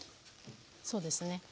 そうですね